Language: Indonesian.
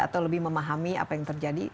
atau lebih memahami apa yang terjadi